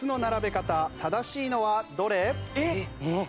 えっ！？